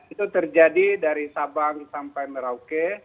itu terjadi dari sabang sampai merauke